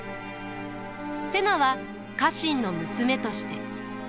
瀬名は家臣の娘として。